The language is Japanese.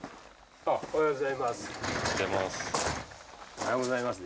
おはようございます。